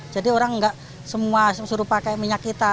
jadi orang enggak semua suruh pakai minyak kita